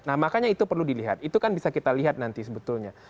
nah makanya itu perlu dilihat itu kan bisa kita lihat nanti sebetulnya